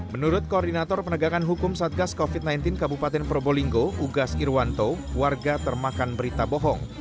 menurut koordinator penegakan hukum satgas covid sembilan belas kabupaten probolinggo ugas irwanto warga termakan berita bohong